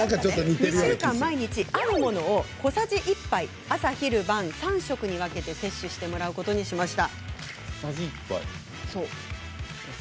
２週間毎日あるものを小さじ１杯朝昼晩３食に分けて摂取してもらうことにしました。